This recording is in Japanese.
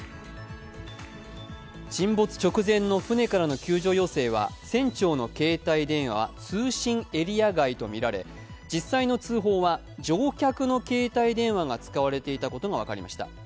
沈没直前の船からの救助要請は船長の携帯談話は通信エリア外と見られ実際の通報は乗客の携帯電話が使われていたことが分かりました。